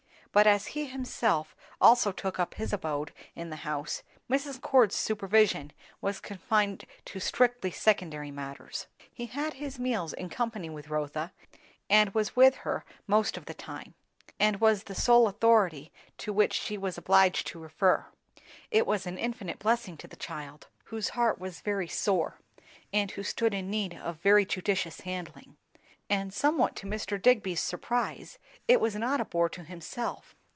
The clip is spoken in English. But as he himself also took up his abode in the house, Mrs. Cord's supervision was confined to strictly secondary matters. He had his meals in company with Rotha, and was with her most of the time, and was the sole authority to which she was obliged to refer. It was an infinite blessing to the child, whose heart was very sore, and who stood in need of very judicious handling. And somewhat to Mr. Digby's surprise, it was not a bore to himself.